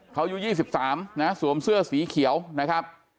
เขาอายุ๒๓นะสวมเสื้อสีเขียวนะครับ